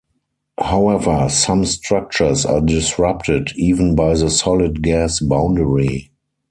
However, some structures are disrupted even by the solid-gas boundary.